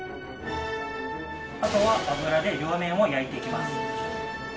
あとは油で両面を焼いていきます。